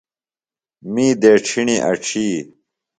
می دیڇِھݨیۡ اڇھی۔